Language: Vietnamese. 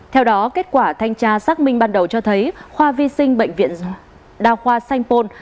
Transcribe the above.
theo đó kết quả thanh tra xác minh ban đầu cho thấy khoa vi sinh bệnh viện đa khoa sanh pôn